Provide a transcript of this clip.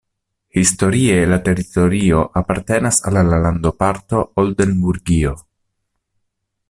Historie la teritorio apartenas al la landoparto Oldenburgio.